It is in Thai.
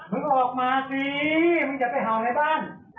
มึงออกมาสิมึงจะไปหาในบ้าน